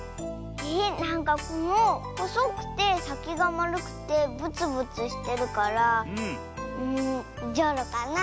えなんかこのほそくてさきがまるくてぶつぶつしてるからじょうろかなって。